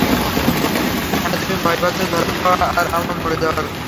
হ্যাঁঁ তুমি ভয় পাচ্ছো ধরা খাওয়ার আর মরে যাওয়ার?